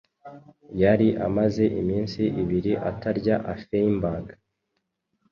Yari amaze iminsi ibiri atarya afeinberg